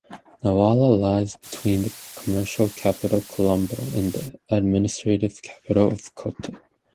Nawala lies between the Commercial Capital Colombo and the Administrative Capital of Kotte.